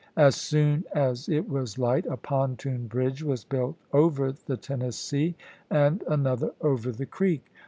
As soon as it was light a pontoon bridge was built over the Tennessee and another over the creek.